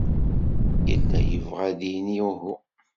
Yella yebɣa ad d-yini uhu.